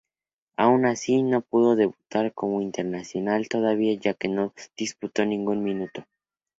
Aun así, no pudo debutar como internacional todavía, ya que no disputó ningún minuto.